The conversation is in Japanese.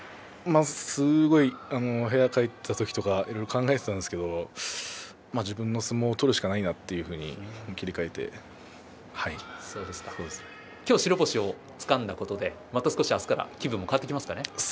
すごい部屋に帰った時とかいろいろ考えていたんですけど自分の相撲を取るしかないな今日、白星をつかんだことでまた少し明日から気分も変わってきますかね。